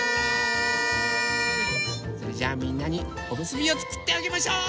それじゃあみんなにおむすびをつくってあげましょう！